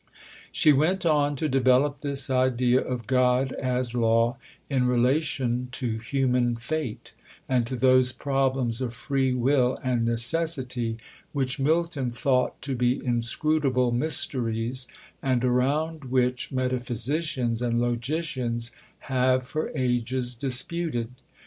She went on to develop this idea of God as Law in relation to human fate, and to those problems of "free will and necessity," which Milton thought to be inscrutable mysteries, and around which metaphysicians and logicians have for ages disputed.